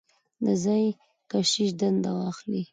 د ځايي کشیش دنده واخلي.